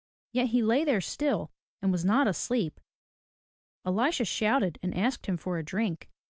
Yet he lay there still, and was not asleep. Elisha shouted and asked him for a drink.